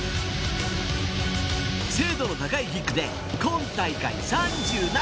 精度の高いキックで今大会３７得点。